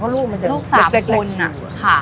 ค่ะลูกสามคนค่ะ